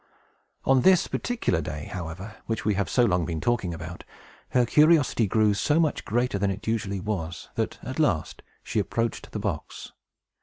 On this particular day, however, which we have so long been talking about, her curiosity grew so much greater than it usually was, that, at last, she approached the box.